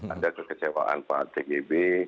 ada terus kecewaan pak tgb